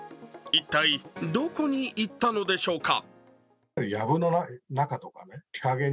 一体、どこに行ったのでしょうか？